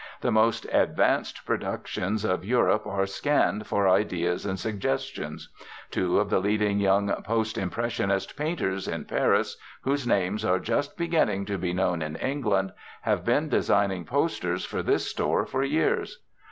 The most 'advanced' productions of Europe are scanned for ideas and suggestions. Two of the leading young 'post impressionist' painters in Paris, whose names are just beginning to be known in England, have been designing posters for this store for years.